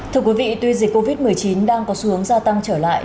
thưa quý vị tuy dịch covid một mươi chín đang có xu hướng gia tăng trở lại